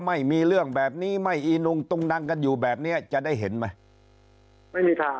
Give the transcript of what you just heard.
ไม่มีเรื่องแบบนี้ไม่อีนุงตุงนังกันอยู่แบบนี้จะได้เห็นไหมไม่มีข่าว